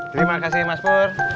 terima kasih mas pur